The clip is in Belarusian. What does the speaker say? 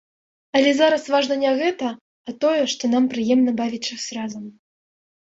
Але зараз важна не гэта, а тое, што нам прыемна бавіць час разам.